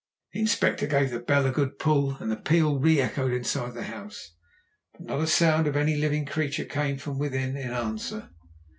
The Inspector gave the bell a good pull and the peal re echoed inside the house. But not a sound of any living being came from within in answer.